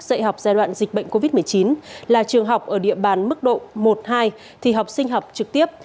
dạy học giai đoạn dịch bệnh covid một mươi chín là trường học ở địa bàn mức độ một hai thì học sinh học trực tiếp